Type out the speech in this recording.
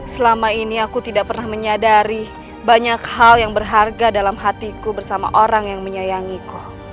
selama ini aku tidak pernah menyadari banyak hal yang berharga dalam hatiku bersama orang yang menyayangiku